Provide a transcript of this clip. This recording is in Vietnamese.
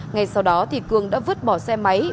ngay sau đó cường đã vứt bỏ xe máy